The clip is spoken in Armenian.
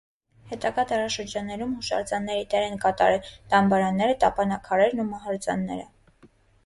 Հետագա դարաշրջաններում հուշարձանների դեր են կատարել դամբարանները, տապանաքարերն ու մահարձանները։